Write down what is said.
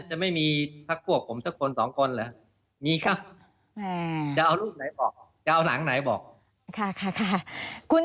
จะไม่มีพักพวกผมสักคนสองคนเหรอ